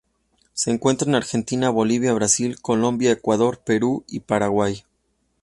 Se encuentra en Argentina, Bolivia, Brasil, Colombia, Ecuador, Perú y Paraguay.